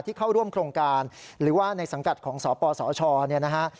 เข้าร่วมโครงการหรือว่าในสังกัดของสปสชเนี่ยนะฮะ